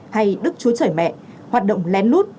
hay đức chúa trời mẹ hoạt động lén lút